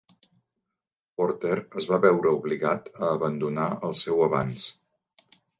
Porter es va veure obligat a abandonar el seu avanç.